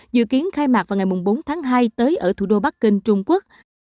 dự kiến khai mạc vào ngày bốn tháng hai tới ở thủ đô bắc kinh trung quốc